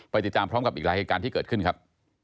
ติดตามพร้อมกับอีกหลายเหตุการณ์ที่เกิดขึ้นครับ